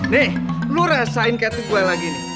nih lo rasain ketek gue lagi nih